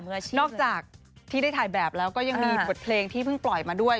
นอกจากที่ได้ถ่ายแบบแล้วก็ยังมีบทเพลงที่เพิ่งปล่อยมาด้วย